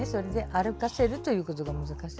歩かせるということも難しい。